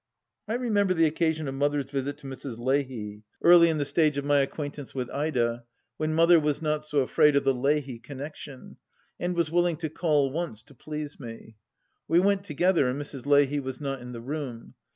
I remember the occasion of Mother's visit to Mrs. Leahy, 44 THE LAST DITCH early in the stage of my acquaintance with Ida, when Mother was not so afraid of the Leahy connection, and was willing to call once to please me. We went together, and Mrs. Leahy was not in the room.